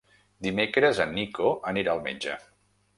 Dimecres en Nico anirà al metge.